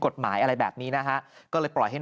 กฎหมายอะไรแบบนี้นะฮะก็เลยปล่อยให้